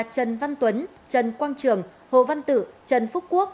trần văn tuấn trần quang trường hồ văn tử trần phúc quốc